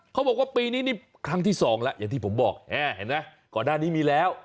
เขาบอกว่าปีนี้นี่ครั้งที่๒ละอย่างที่ผมบอกนี่เผอะไรนะก่อนหน้านี้มีแล้ว